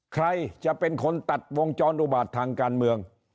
ใครจะเป็นคนตัดวงจรอุบาตทางการเมือง